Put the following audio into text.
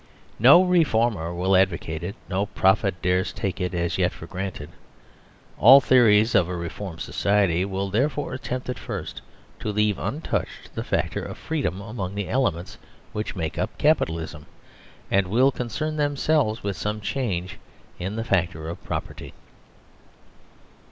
No reformer will advocate it ; no pro phet dares take it as yet for granted. All theories of a reformed society will therefore attempt, at first, to leave untouched the factor of Freedom among the elements which make up Capitalism, and will con cern themselves with some change in the factor of Property.